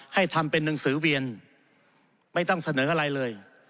ให้ทำเป็นหนังสือเวียนไม่ต้องเสนออะไรเลย